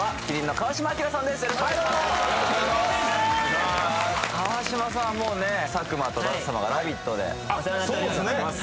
川島さんはもうね佐久間と舘様が「ラヴィット！」でお世話になっております